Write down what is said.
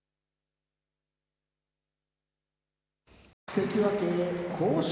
関脇豊昇